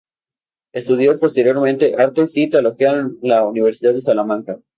Estudió posteriormente Artes y Teología en la Universidad de Salamanca.